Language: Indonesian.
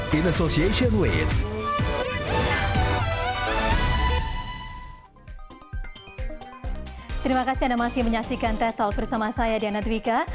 terima kasih anda masih menyaksikan tech talk bersama saya diana twika